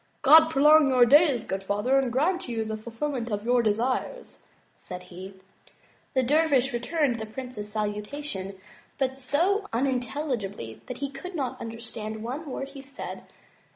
'*God prolong your days, good father, and grant you the ful filment of your desires," said he. The dervish returned the prince's salutation, but so unin telligibly that he could not imderstand one word he said.